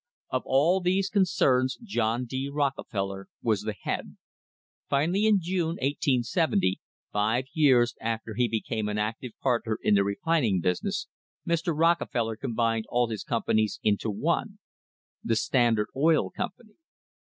Of all these concerns John D. Rockefeller was the head. Finally, in June, 1870, five years after he became an active partner in the refining business, Mr. Rockefeller combined all his companies into one — the Standard Oil Company.